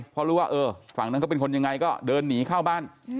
พอรู้ว่าเออฝั่งนั้นเขาเป็นคนยังไงก็เดินหนีเข้าบ้าน